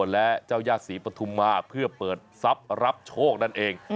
และเจ้าย่าศรีปฐุมมาเพื่อเปิดทรัพย์รับโชคนั่นเอง